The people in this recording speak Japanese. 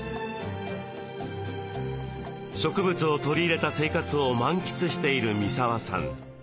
植物を取り入れた生活を満喫している三沢さん。